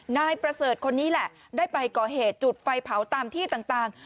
นายประเสริฐคนนี้แหละได้ไปก่อเหตุจุดไฟเผาตามที่ต่าง